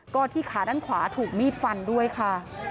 ก็ที่ขาด้านขวาถูกมีดฟันด้วยค่ะ